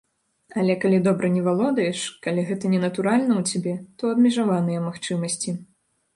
Але калі добра не валодаеш, калі гэта ненатуральна ў цябе, то абмежаваныя магчымасці.